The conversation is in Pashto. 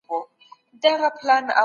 نړیوال معیارونه کار اسانه کوي.